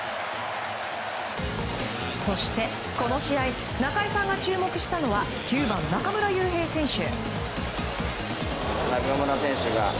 そしてこの試合中居さんが注目したのは９番、中村悠平選手。